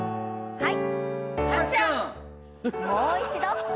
はい。